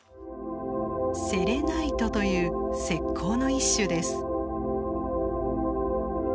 セレナイトという石こうの一種です。